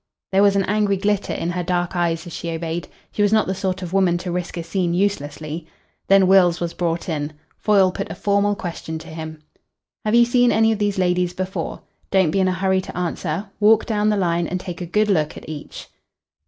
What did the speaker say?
There was an angry glitter in her dark eyes as she obeyed. She was not the sort of woman to risk a scene uselessly. Then Wills was brought in. Foyle put a formal question to him. "Have you seen any of these ladies before? Don't be in a hurry to answer. Walk down the line and take a good look at each."